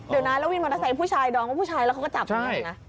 เดือนน้ายลาวินมอเตอร์ไซค์ผู้ชายคือผู้ชายแล้วเขาก็จับตรงนั้นเองนะ